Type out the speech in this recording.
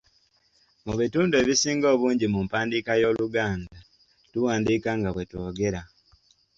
Mu bitundu ebisinga obungi mu mpandiika y'Oluganda, tuwandiika nga bwe twogera.